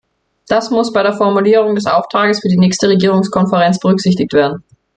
Das muss bei der Formulierung des Auftrags für die nächste Regierungskonferenz berücksichtigt werden.